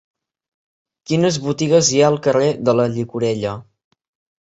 Quines botigues hi ha al carrer de la Llicorella?